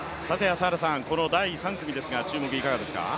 この第３組ですが注目はいかがですか。